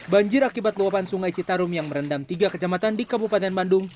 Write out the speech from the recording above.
banjir akibat luapan sungai citarum yang merendam tiga kecamatan di kabupaten bandung